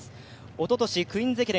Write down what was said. おととしクイーンズ駅伝